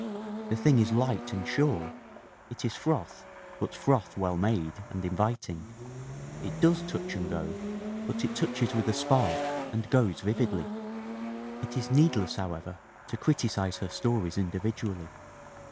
The thing is light and sure ; it is froth but froth well made and inviting; it does touch and go, but it touches with a spark and goes vividly. "It is needless, however, to criticise her stories in dividually.